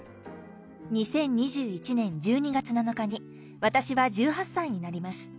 ２０２１年１２月７日に私は１８歳になります。